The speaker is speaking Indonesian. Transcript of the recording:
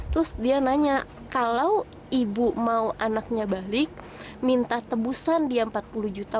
terus dia nanya kalau ibu mau anaknya balik minta tebusan dia empat puluh juta